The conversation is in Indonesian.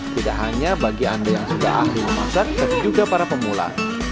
tidak hanya bagi anda yang sudah ahli memasak tapi juga para pemula